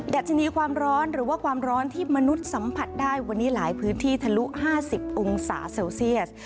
ัชนีความร้อนหรือว่าความร้อนที่มนุษย์สัมผัสได้วันนี้หลายพื้นที่ทะลุ๕๐องศาเซลเซียส